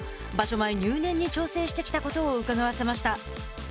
前入念に調整してきたことをうかがわせました。